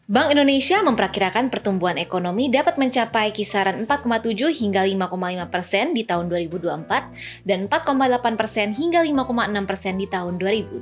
bank indonesia memperkirakan pertumbuhan ekonomi dapat mencapai kisaran empat tujuh hingga lima lima persen di tahun dua ribu dua puluh empat dan empat delapan persen hingga lima enam persen di tahun dua ribu dua puluh